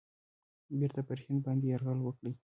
بیرته پر هند باندي یرغل وکړي.